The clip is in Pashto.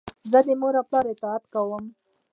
زه د مور و پلار اطاعت کوم.